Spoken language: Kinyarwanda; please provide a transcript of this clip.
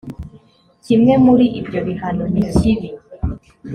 kimwe muri ibyo bihano nikibi